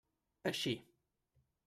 Així.